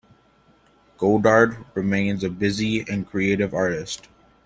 Godard remains a busy and creative artist.